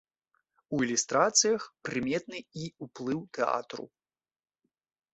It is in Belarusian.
У ілюстрацыях прыметны і ўплыў тэатру.